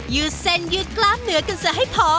ืดเส้นยืดกล้ามเหนือกันซะให้พอ